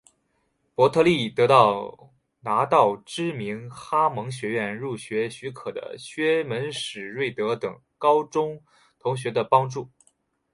伯特利得到拿到知名哈蒙学院入学许可的薛门史瑞德等高中同学的帮助。